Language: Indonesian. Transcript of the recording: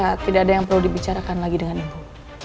ya tidak ada yang perlu dibicarakan lagi dengan ibu